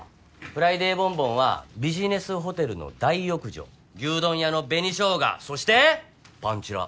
「フライデーボンボン」はビジネスホテルの大浴場牛丼屋の紅しょうがそしてパンちら。